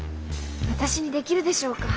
私にできるでしょうか？